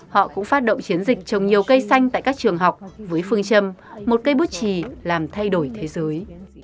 họ cũng phát động chiến dịch trồng nhiều cây xanh tại các trường học với phương châm một cây bút trì làm thay đổi thế giới